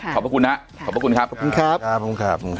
ขอบคุณนะขอบคุณครับขอบคุณครับขอบคุณครับขอบคุณครับ